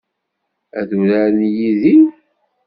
Ad uraren yid-i?